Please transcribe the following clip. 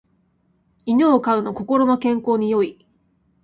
犬を飼うの心の健康に良い